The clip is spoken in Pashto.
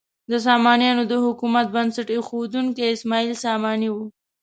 د سامانیانو د حکومت بنسټ ایښودونکی اسماعیل ساماني و.